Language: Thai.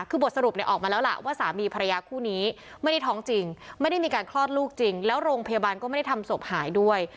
คือบทสรุปออกมาแล้วล่ะว่าสามีภรรยาคู่นี้ไม่ได้ท้องจริงไม่ได้มีการคลอดลูกจริงแล้วโรงพยาบาลก็ไม่ได้ทำศพหายด้วย